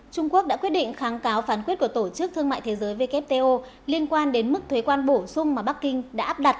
trung quốc đã quyết định kháng cáo phán quyết của tổ chức thương mại thế giới wto liên quan đến mức thuế quan bổ sung mà bắc kinh đã áp đặt